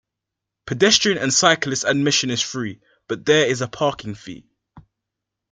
Pedestrian and cyclist admission is free, but there is a parking fee.